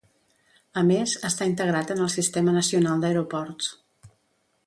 A més, està integrat en el Sistema Nacional d'Aeroports.